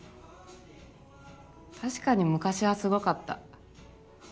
確かに昔はすごかった。